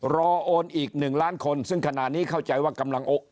โอนอีกหนึ่งล้านคนซึ่งขณะนี้เข้าใจว่ากำลังโอน